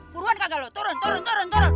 beruan kagak lo turun turun turun turun